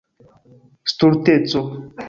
stulteco